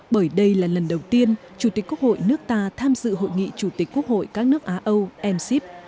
bởi đây là lần đầu tiên chủ tịch quốc hội nước ta tham dự hội nghị chủ tịch quốc hội các nước á âu mc